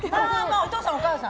お父さんお母さん？